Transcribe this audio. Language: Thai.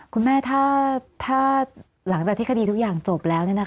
คุณแม่ถ้าหลังจากที่คดีทุกอย่างจบแล้ว